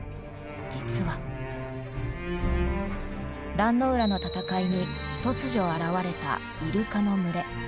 壇ノ浦の戦いに突如現れたイルカの群れ。